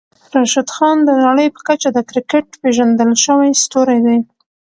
راشدخان د نړۍ په کچه د کريکيټ پېژندل شوی ستوری دی.